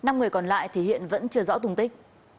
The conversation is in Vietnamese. năm người còn lại thì hiện vẫn chưa rõ tùng tích